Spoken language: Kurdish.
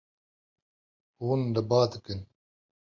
Hûn li ba dikin.